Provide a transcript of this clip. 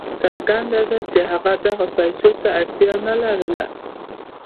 څرګنده ده چې هغه دغو پیسو ته اړتیا نه لرله.